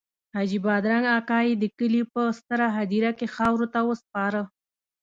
حاجي بادرنګ اکا یې د کلي په ستره هدیره کې خاورو ته وسپاره.